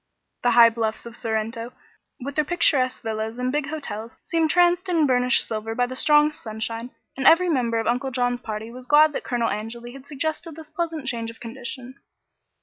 The high bluffs of Sorrento, with their picturesque villas and big hotels, seemed traced in burnished silver by the strong sunshine, and every member of Uncle John's party was glad that Colonel Angeli had suggested this pleasant change of condition.